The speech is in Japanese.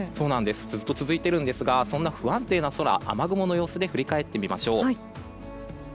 ずっと続いているんですがそんな不安定の空、雨雲の様子で振り返ってみましょう。